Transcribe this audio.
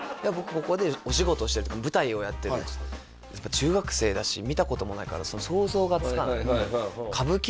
ここでお仕事をしてる舞台をやってるっつって中学生だし見たこともないから想像がつかない「歌舞伎？」